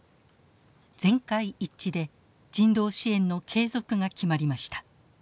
全会一致で人道支援の継続が決まりました。